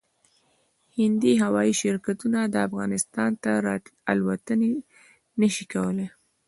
هندي هوايي شرکتونه افغانستان ته الوتنې نشي کولای